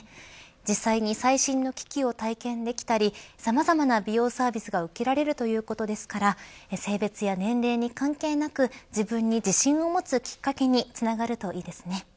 実際に最新の機器を体験できたりさまざまな美容サービスが受けられるということですから性別や年齢に関係なく、自分に自信を持つきっかけにつながるといいですね。